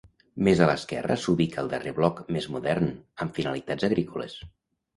Més a l'esquerra s'ubica el darrer bloc, més modern, amb finalitats agrícoles.